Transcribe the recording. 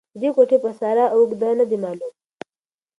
د دې کوټې پساره او اږده نه دې معلوم